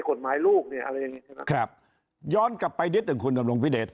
กฎหมายลูกเนี่ยอะไรอย่างงี้ใช่ไหมครับย้อนกลับไปนิดหนึ่งคุณดำรงพิเดช